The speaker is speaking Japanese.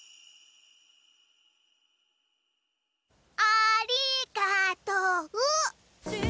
ありがとう。